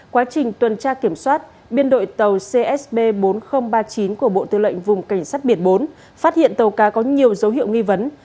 quá trình tuần tra kiểm soát biên đội tàu csb bốn nghìn ba mươi chín của bộ tư lệnh vùng cảnh sát biển bốn phát hiện tàu cá có nhiều dấu hiệu nghi vấn